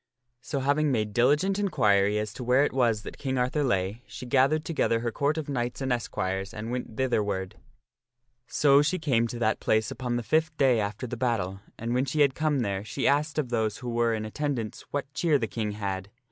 So, having made diligent inquiry as to where it Arthur was that King Arthur lay, she gathered together her Court of knights and esquires and went thitherward. So she came to that place upon the fifth day after the battle, and when she had come there she asked of those who were in attendance what cheer the King had.